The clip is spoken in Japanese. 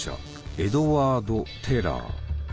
エドワード・テラー。